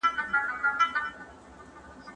دوی د ناوې ولور نه وو اداء کړی.